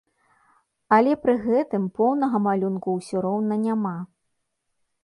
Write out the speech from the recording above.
Але пры гэтым поўнага малюнку ўсё роўна няма.